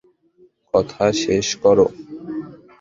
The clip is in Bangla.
কথা শেষ করো।